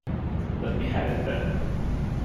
Let me have it then!